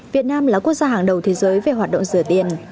việt nam là quốc gia hàng đầu thế giới về hoạt động rửa tiền